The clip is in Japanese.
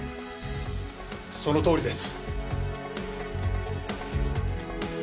そのとおりです。